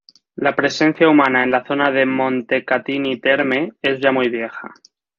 La presencia humana en la zona de Montecatini Terme es ya muy vieja.